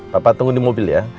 bapak tunggu di mobil ya